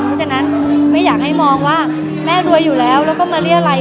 เพราะฉะนั้นไม่อยากให้มองว่าแม่รวยอยู่แล้วแล้วก็มาเรียรัย